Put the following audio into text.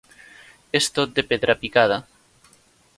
És tot de pedra picada.